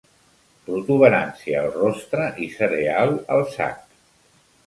Protuberància al rostre i cereal al sac.